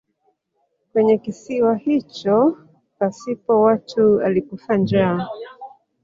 Kwenye kisiwa hicho pasipo watu alikufa njaa.